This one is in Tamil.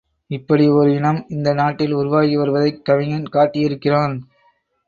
இப்படி ஒரு இனம் இந்த நாட்டில் உருவாகி வருவதைக் கவிஞன் காட்டி இருக்கிறான்.